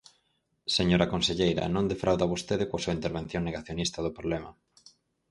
Señora conselleira, non defrauda vostede coa súa intervención negacionista do problema.